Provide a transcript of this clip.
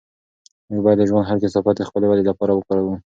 موږ باید د ژوند هر کثافت د خپلې ودې لپاره وکاروو.